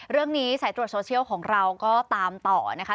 เรื่องนี้สายตรวจโซเชียลของเราก็ตามต่อนะคะ